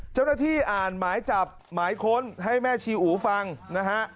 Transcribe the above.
เจ้าหน้าที่อ่านหมายจับหมายค้นให้แม่ชีอูฟังนะฮะ